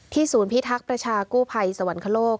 ที่ศูนย์พิทักษ์ประชากู้ภัยสวัญโคลก